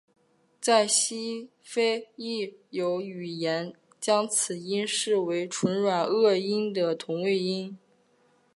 在西非亦有语言将此音视为唇软腭音的同位音。